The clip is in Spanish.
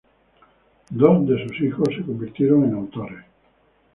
Dos de sus hijos se convirtieron en autores.